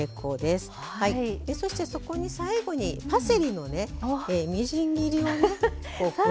そしてそこに最後にパセリのねみじん切りをねこう加えます。